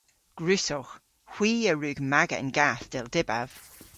Gwrussowgh. Hwi a wrug maga an gath, dell dybav.